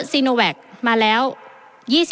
ประเทศอื่นซื้อในราคาประเทศอื่น